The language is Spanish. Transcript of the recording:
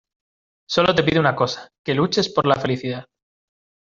solo te pido una cosa, que luches por la felicidad